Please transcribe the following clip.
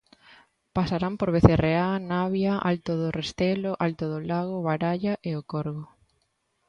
Pasarán por Becerreá, Navia, Alto do Restelo, Alto do Lago, Baralla e O Corgo.